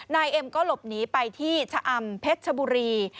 นายเอ็มก็หลบหนีไปที่ชะอำเพชรชบุรี